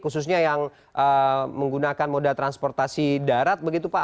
khususnya yang menggunakan moda transportasi darat begitu pak